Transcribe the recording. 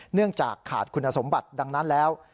เนื่องจากขาดคุณสมบัติดังนั้นแล้ว